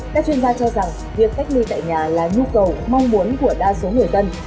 các chuyên gia cho rằng việc cách ly tại nhà là nhu cầu mong muốn của đa số người dân